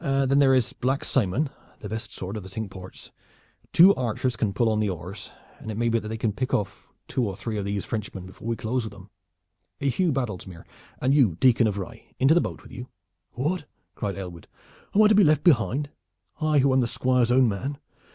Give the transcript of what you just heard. Then there is Black Simon, the best sword of the Cinque Ports. Two archers can pull on the oars, and it may be that they can pick off two or three of these Frenchmen before we close with them. Hugh Baddlesmere, and you, Dicon of Rye into the boat with you!" "What?" cried Aylward. "Am I to be left behind? I, who am the Squire's own man?